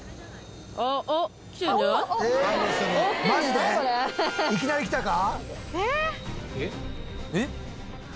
「大変」「いきなり来たか？」